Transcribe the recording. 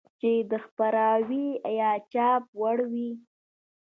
چې د خپراوي يا چاپ وړ وي.